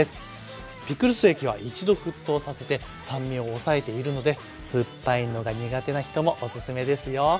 ピクルス液は一度沸騰させて酸味を抑えているのですっぱいのが苦手な人もオススメですよ。